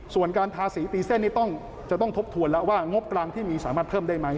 ส่วนการทาสีตีเส้นนี้จะต้องทบทวนแล้วว่างบกลางที่มีสามารถเพิ่มได้ไหม